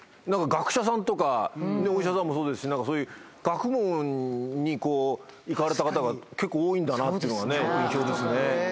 学者さんとかお医者さんもそうですし学問に行かれた方が結構多いんだなっていうのがね。